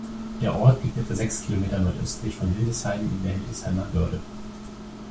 Der Ort liegt etwa sechs Kilometer nordöstlich von Hildesheim in der Hildesheimer Börde.